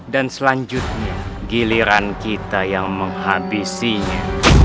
dan selanjutnya giliran kita yang menghabisinya